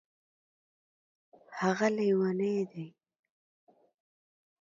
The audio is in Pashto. هغه لیونی دی